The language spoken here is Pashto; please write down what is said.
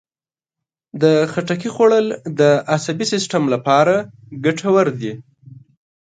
د خټکي خوړل د عصبي سیستم لپاره ګټور دي.